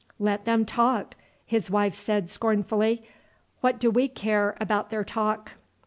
"Let them talk!" his wife said scornfully. "What do we care about their talk!"